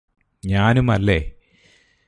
ഞാനും അല്ലേ